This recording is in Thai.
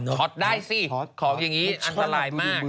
็อตได้สิของอย่างนี้อันตรายมาก